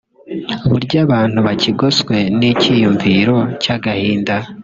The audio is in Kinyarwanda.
Burya abantu bakigoswe n’icyiyumviro cy’agahinda